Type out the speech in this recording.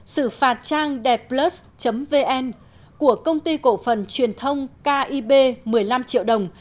sử phạt trang đẹpplus vn của công ty cổ phần truyền thông kib một mươi năm triệu đồng